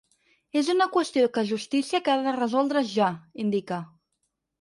És una qüestió que justícia que ha de resoldre’s ja, indica.